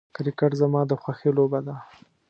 کرکټ زما د خوښې لوبه ده .